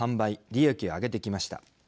利益を上げてきました。